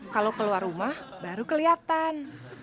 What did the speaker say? kalau keluar rumah baru kelihatan